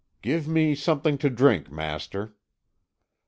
"Give me something to drink, master."